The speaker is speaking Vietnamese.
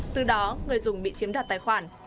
từ đó người dùng bị chiếm đặt tài khoản